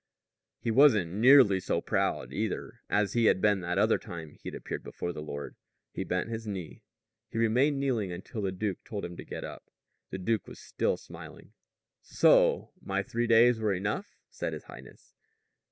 He wasn't nearly so proud, either, as he had been that other time he had appeared before his lord. He bent his knee. He remained kneeling until the duke told him to get up. The duke was still smiling. "So my three days were enough," said his highness.